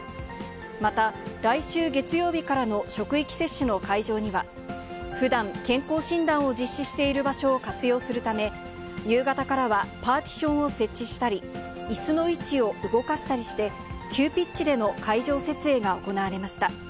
また来週月曜日からの職域接種の会場には、ふだん、健康診断を実施している場所を活用するため、夕方からはパーティションを設置したり、いすの位置を動かしたりして、急ピッチでの会場設営が行われました。